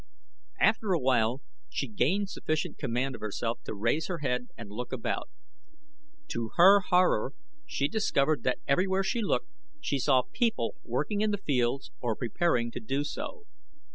After a while she gained sufficient command of herself to raise her head and look about. To her horror she discovered that everywhere she looked she saw people working in the fields or preparing to do so.